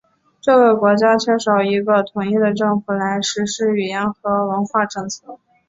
这个国家缺少一个统一的政府来实施语言和文化政策。